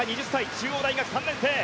中央大学３年生。